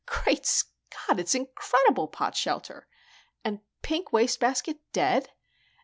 "Great Scott! It's incredible, Potshelter. And Pink Wastebasket dead?